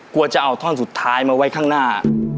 กลัวจะเอาท่อนสุดท้ายมาไว้ข้างหน้า